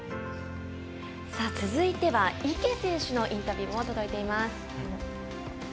続いては、池選手のインタビューも届いています。